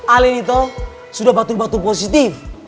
ale nih tuh sudah batul batul positif